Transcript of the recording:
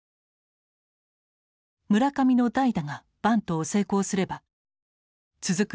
村上の代打がバントを成功すれば続く